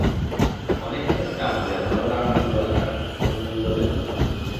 অনেক ক্ষেত্রে আমাদের ভালো লাগা মন্দ লাগার কোনো মূল্য দেন না।